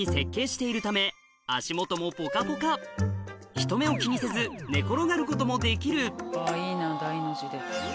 人目を気にせず寝転がることもできるいいな大の字で。